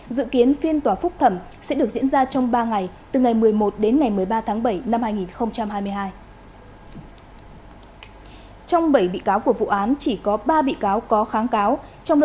xin chào các bạn